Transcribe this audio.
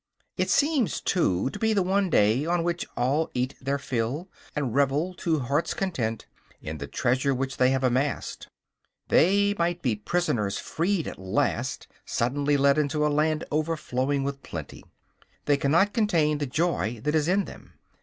It seems, too, to be the one day on which all eat their fill, and revel, to heart's content, in the treasure which they have amassed. They might be prisoners freed at last, suddenly led into a land overflowing with plenty. They cannot contain the joy that is in them.